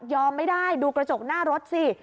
ไม่ได้ดูกระจกหน้ารถสิ